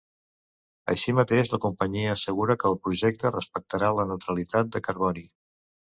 Així mateix, la companyia assegura que el projecte respectarà la neutralitat de carboni.